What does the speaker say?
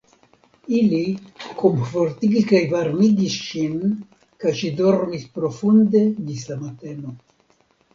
Ili komfortigis kaj varmigis ŝin kaj ŝi dormis profunde ĝis la mateno.